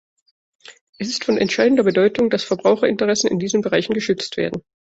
Es ist von entscheidender Bedeutung, dass Verbraucherinteressen in diesen Bereichen geschützt werden.